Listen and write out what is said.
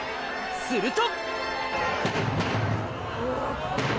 すると！